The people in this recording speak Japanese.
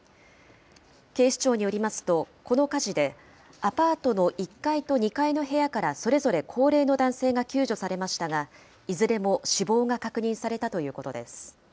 警視庁によりますと、この火事で、アパートの１階と２階の部屋からそれぞれ高齢の男性が救助されましたが、いずれも死亡が確認されたということです。